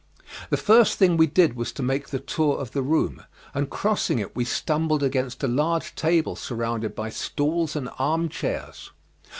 The first thing we did was to make the tour of the room, and crossing it we stumbled against a large table surrounded by stools and armchairs.